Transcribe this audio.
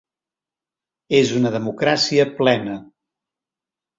És una democràcia plena.